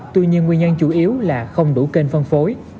tuy nhiên nguyên nhân chủ yếu là không đủ kênh phân phối